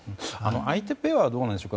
相手ペアはどうなんでしょう。